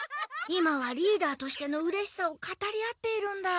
今はリーダーとしてのうれしさを語り合っているんだ。